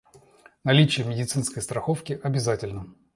Наличие медицинской страховки обязательно.